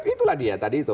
itulah dia tadi itu